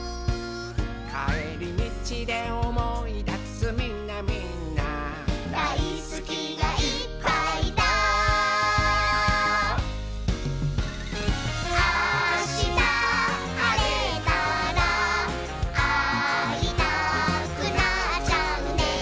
「かえりみちでおもいだすみんなみんな」「だいすきがいっぱいだ」「あしたはれたらあいたくなっちゃうね」